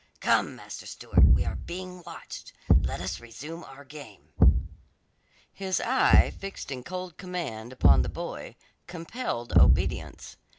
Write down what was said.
Come, Master Stewart, we are being watched. Let us resume our game." His eye, fixed in cold command upon the boy, compelled obedience.